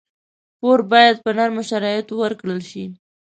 پور باید په نرمو شرایطو ورکړل شي.